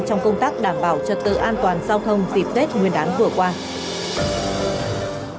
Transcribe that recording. trong công tác đảm bảo trật tự an toàn giao thông dịp tết nguyên đán vừa qua